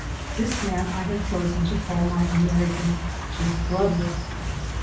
This man I have chosen to call my American "Big Brother."